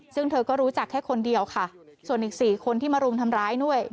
ซึ่งเธอก็รู้จักแค่คนเดียวค่ะส่วนอีก๔คนที่มารุมทำร้ายด้วย